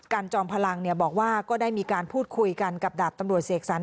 จอมพลังบอกว่าก็ได้มีการพูดคุยกันกับดาบตำรวจเสกสรร